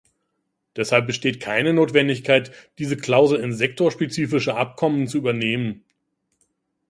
Deshalb besteht keine Notwendigkeit, diese Klausel in sektorspezifische Abkommen zu übernehmen.